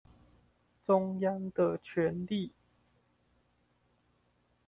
中央的權力